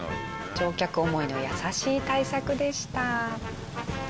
乗客思いの優しい対策でした。